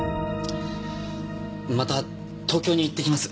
また東京に行ってきます。